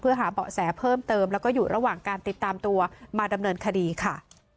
เพื่อหาเบาะแสเพิ่มเติมแล้วก็อยู่ระหว่างการติดตามตัวมาดำเนินคดีค่ะ